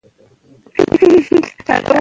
ژبه به ساتل سوې وي.